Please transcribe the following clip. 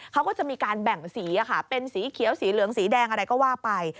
เขาก็จะมีการแบ่งสีเป็นสีเขียวสีเหลืองสีแดงอะไรก็ว่าไป